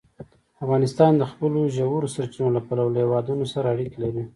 افغانستان د خپلو ژورو سرچینو له پلوه له هېوادونو سره اړیکې لري.